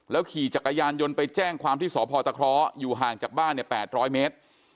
ขี่จักรยานยนต์ไปแจ้งความที่สพตะคร้ออยู่ห่างจากบ้าน๘๐๐เมตร